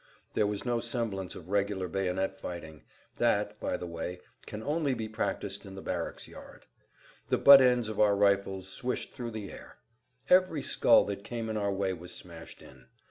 There was no semblance of regular bayonet fighting: that, by the way, can only be practised in the barracks yard. The butt ends of our rifles swished through the air. Every skull that came in our way was smashed in.